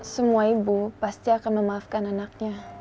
semua ibu pasti akan memaafkan anaknya